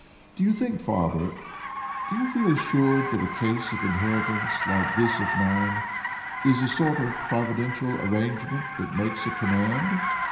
"Do you think, father do you feel assured that a case of inheritance like this of mine is a sort of providential arrangement that makes a command?"